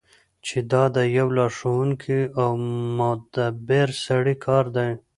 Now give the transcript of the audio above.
چی دا د یو لارښوونکی او مدبر سړی کار دی.